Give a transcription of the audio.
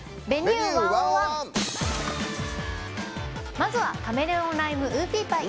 まずはカメレオン・ライム・ウーピーパイ。